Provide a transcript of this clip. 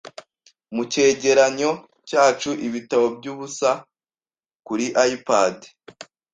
mucyegeranyo cyacu Ibitabo byubusa kuri iPad